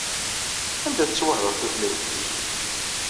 Anda tettwahdar tutlayt-ik?